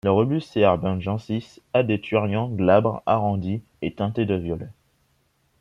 Le Rubus seebergensis a des turions, glabre, arrondi et teinté de violet.